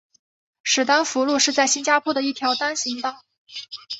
史丹福路是在新加坡的一条单行道。